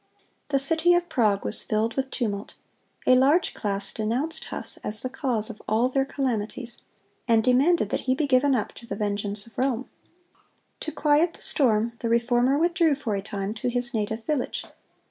The city of Prague was filled with tumult. A large class denounced Huss as the cause of all their calamities, and demanded that he be given up to the vengeance of Rome. To quiet the storm, the Reformer withdrew for a time to his native village.